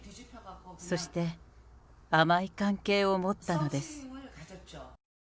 そして甘い関係を持ったのです。